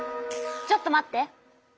ちょっと待って。